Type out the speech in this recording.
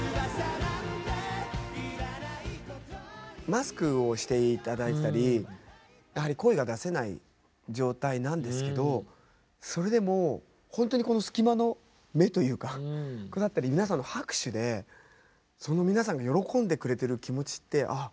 マスクをして頂いてたりやはり声が出せない状態なんですけどそれでもほんとにこの隙間の目というかだったり皆さんの拍手でその皆さんが喜んでくれてる気持ちってあっ